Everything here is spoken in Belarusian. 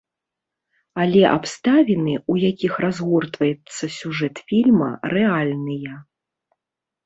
Але абставіны, у якіх разгортваецца сюжэт фільма, рэальныя.